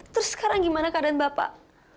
terus sekarang gimana keadaan bapak